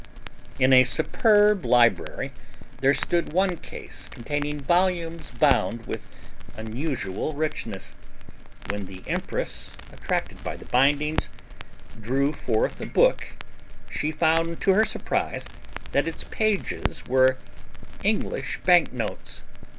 In a superb library there stood one case containing volumes bound with unusual richness. When the empress, attracted by the bindings, drew forth a book she found to her surprise that its pages were English bank notes.